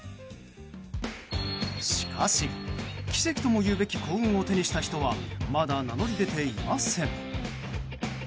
しかし、奇跡ともいうべき幸運を手にした人はまだ名乗り出ていません。